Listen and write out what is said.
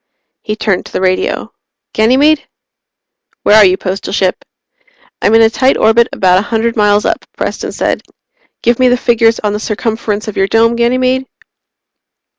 He turned to the radio. "Ganymede?" "Where are you, Postal Ship?" "I'm in a tight orbit about a hundred miles up," Preston said. "Give me the figures on the circumference of your Dome, Ganymede?"